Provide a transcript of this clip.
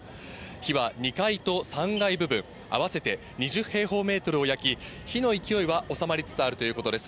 火は２階と３階部分合わせて２０平方メートルを焼き、火の勢いは収まりつつあるということです。